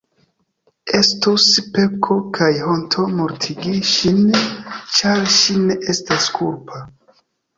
Estus peko kaj honto mortigi ŝin, ĉar ŝi ne estas kulpa.